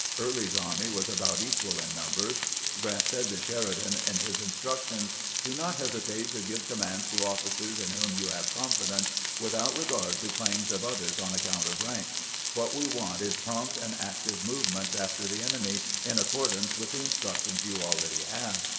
Early's army was about equal in numbers. Grant said to Sheridan in his instructions :" Do not hesitate to give commands to officers in whom you have confidence, without regard to claims of others on account of rank. What we want is prompt and ac tive movements after the enemy in accordance with the instructions you already have.